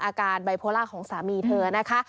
อาการไบโพล่าของสามีเธอนะคะ